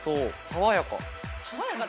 爽やか！